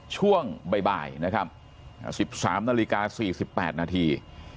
ช่วงบ่ายบ่ายนะครับสิบสามนาฬิกาสี่สิบแปดนาที